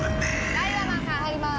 ・ダイワマンさん入りまーす！